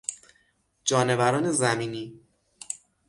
جانوران زمینی